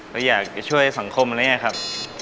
เขาอยากช่วยสังคมอะไรไงครับ